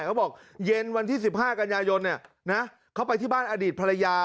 เขาบอกเย็นวันที่๑๕กันยายนเขาไปที่บ้านอดีตภรรยา